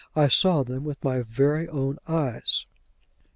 I saw them with my own eyes."